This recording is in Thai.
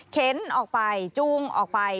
เข็นออกไปจูงออกไป